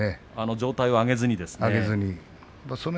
上体を上げずにですね。